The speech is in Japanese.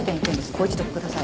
ご一読ください。